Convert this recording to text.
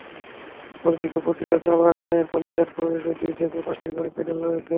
অপরদিকে প্রতিটি চা-বাগানের বাগান পঞ্চায়েত কমিটিতে দুই থেকে পাঁচটি করে প্যানেল রয়েছে।